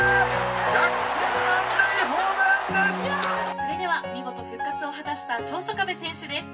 「それでは見事復活を果たした長曽我部選手です」